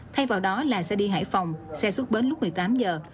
thay vào đó là xe đi hải phòng xe xuất bến lúc một mươi tám giờ